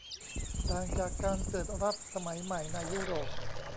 ต่างจากการเกิดรัฐสมัยใหม่ในยุโรป